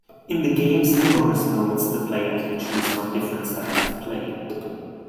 In the game's numerous modes, the player can choose from different styles of play.